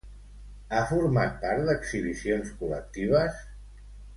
Ha format part d'exhibicions col·lectives?